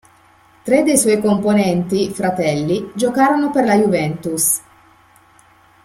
Tre dei suoi componenti, fratelli, giocarono per la Juventus.